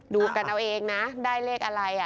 ดูกันเอาเองนะได้เลขอะไร